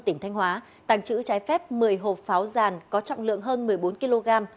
tỉnh thanh hóa tàng trữ trái phép một mươi hộp pháo giàn có trọng lượng hơn một mươi bốn kg